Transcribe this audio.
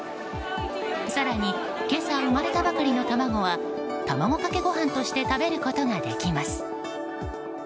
更に今朝生まれたばかりの卵は卵かけご飯として食べることができます。